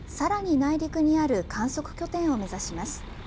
内陸にある観測拠点を目指します。